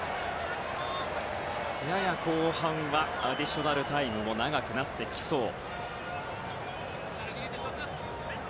やや後半はアディショナルタイムも長くなってきそう。